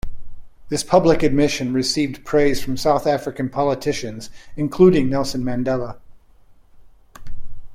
This public admission received praise from South African politicians, including Nelson Mandela.